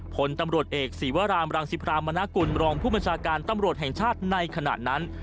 ผลตำรวจเอกศีวรามรังสิพรามนากุลรองผู้บัญชาการตำรวจแห่งชาติในขณะนั้น